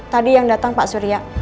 tadi yang datang pak surya